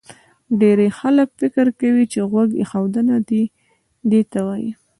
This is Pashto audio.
ډېری خلک فکر کوي چې غوږ ایښودنه دې ته وایي